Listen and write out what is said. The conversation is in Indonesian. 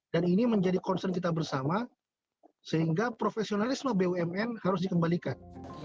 dan ini menjadi concern kita bersama sehingga profesionalisme bumn harus dikembalikan